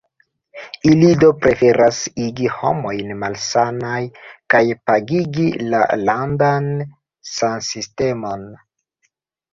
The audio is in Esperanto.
Ili do preferas igi homojn malsanaj kaj pagigi la landan sansistemon.